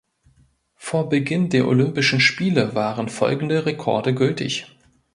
Vor Beginn der Olympischen Spiele waren folgende Rekorde gültig.